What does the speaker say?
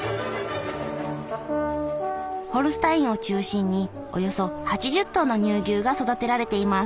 ホルスタインを中心におよそ８０頭の乳牛が育てられています。